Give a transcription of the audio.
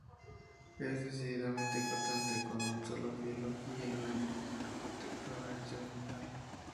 Es decididamente cortante, con un solo filo y una empuñadura protectora hecha de metal.